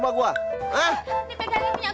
ini pegangan minyak gue dong